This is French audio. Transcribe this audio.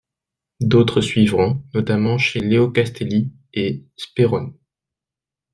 D'autres suivront, notamment chez Leo Castelli et Sperone.